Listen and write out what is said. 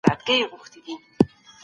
هغه یوه ویښه او هوښیاره ښځه وه.